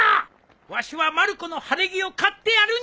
わしはまる子の晴れ着を買ってやるんじゃ。